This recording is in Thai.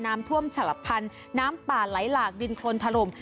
น้ำท่วมฉลับพันธุ์น้ำป่าไหลหลากดินโครนถล่ม